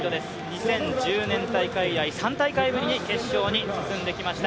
２０１０年大会以来、３大会ぶりに決勝に進んできました。